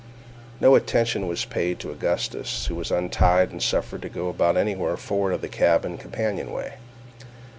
No attention was paid to Augustus, who was untied and suffered to go about anywhere forward of the cabin companion way.